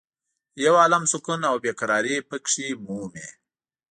یو عالم سکون او بې قرارې په کې مومې.